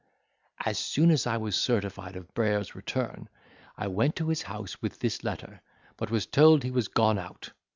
"As soon as I was certified of Brayer's return, I went to his house with this letter, but was told he was gone out.